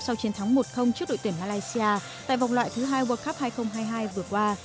sau chiến thắng một trước đội tuyển malaysia tại vòng loại thứ hai world cup hai nghìn hai mươi hai vừa qua